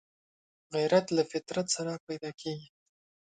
غیرت له فطرت سره پیدا کېږي